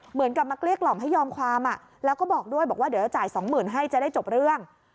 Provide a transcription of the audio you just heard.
เหมือนกับมาเกลี้ยกล่อมให้ยอมความแล้วก็บอกด้วยบอกว่าเดี๋ยวจะจ่ายสองหมื่นให้จะได้จบเรื่อง